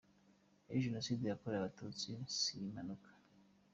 Ati: "Jenoside yakorewe Abatutsi si impanuka.